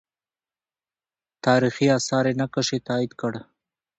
تاریخي آثار نقش یې تایید کړ.